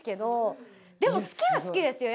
でも好きは好きですよ